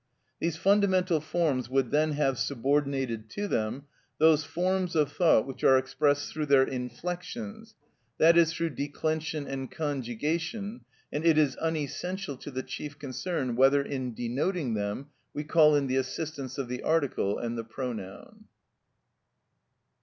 These fundamental forms would then have subordinated to them those forms of thought which are expressed through their inflections, that is, through declension and conjugation, and it is unessential to the chief concern whether in denoting them we call in the assistance of the article and the pronoun.